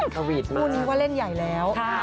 กูนี้ก็เล่นใหญ่แล้ว